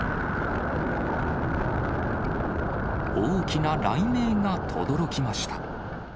大きな雷鳴がとどろきました。